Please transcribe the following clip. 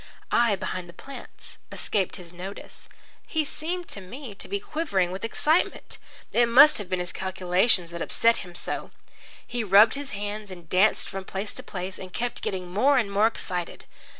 I, behind the plants, escaped his notice. He seemed to me to be quivering with excitement. It must have been his calculations that upset him so. He rubbed his hands and danced from place to place, and kept getting more and more excited.